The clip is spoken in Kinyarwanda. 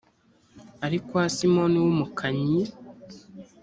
ari kwa simoni w umukannyi